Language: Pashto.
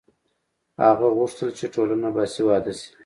هغه غوښتل چې ټولنه باسواده شي.